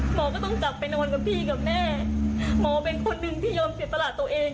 หมอก็ต้องกลับไปนอนกับพี่กับแม่หมอเป็นคนหนึ่งที่ยอมเสียตลาดตัวเอง